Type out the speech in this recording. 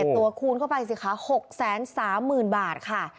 ตัวคูณเข้าไปสิคะ๖๓๐๐๐บาทค่ะ